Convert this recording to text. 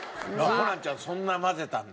ホランちゃんそんな混ぜたんだ？